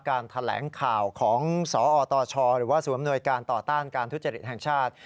การแถลงข่าวของสอตชหรือว่าศูนย์อำนวยการต่อต้านการทุจริตแห่งชาติ